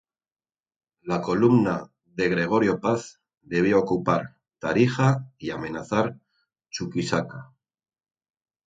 La columna de Gregorio Paz debía ocupar Tarija y amenazar Chuquisaca.